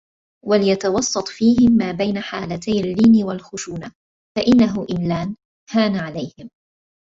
وَلْيَتَوَسَّطْ فِيهِمْ مَا بَيْنَ حَالَتَيْ اللِّينِ وَالْخُشُونَةِ فَإِنَّهُ إنْ لَانَ هَانَ عَلَيْهِمْ